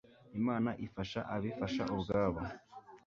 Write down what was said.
Imana ifasha abifasha ubwabo